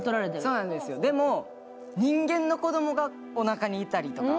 でも、人間の子供がおなかにいたりとか。